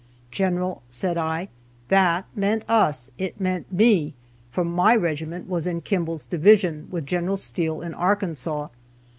' General," said I, "that meant us; it meant me; for my regiment was in Kimball's division, with Gen. Steele, in Arkansas.